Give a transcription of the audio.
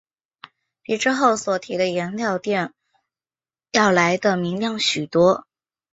比之后所提的颜料靛要来得明亮许多。